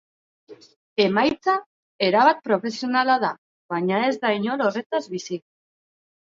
Emaitza erabat profesionala da, baina ez da inor horretaz bizi.